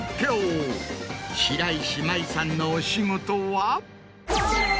白石麻衣さんのお仕事は？